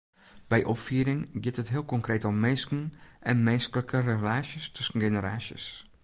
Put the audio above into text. By opfieding giet it heel konkreet om minsken en minsklike relaasjes tusken generaasjes.